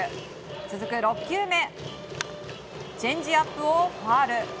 続く６球目チェンジアップをファウル。